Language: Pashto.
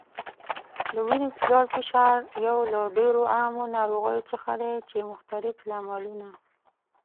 د وینې لوړ فشار یو له ډیرو عامو ناروغیو څخه دی چې مختلف لاملونه